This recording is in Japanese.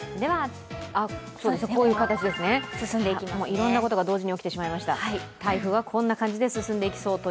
こういう形で進んでいきますね、いろんなことが同時に起きてしまいました台風はこんな感じで進んでいきそう。